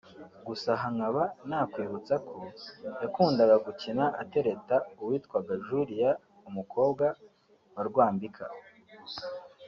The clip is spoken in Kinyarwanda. gusa aha nkaba nakwibutsa ko yakundaga gukina atereta uwitwaga Julia umukobwa wa Rwambika